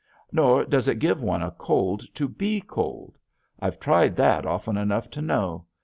Nor does it give one a cold to be cold. I've tried that often enough to know.